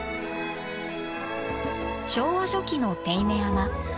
昭和初期の手稲山。